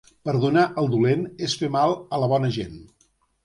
Perdonar el dolent és fer mal a la bona gent.